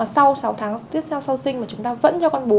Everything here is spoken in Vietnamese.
sau sáu tháng tiếp theo sau sinh mà chúng ta vẫn cho con bú